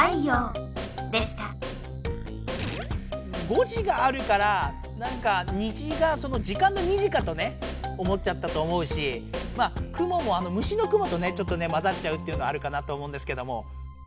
「ごじ」があるからなんか「にじ」が時間の「２時」かとね思っちゃったと思うし「くも」も虫のクモとねちょっとねまざっちゃうっていうのあるかなと思うんですけども。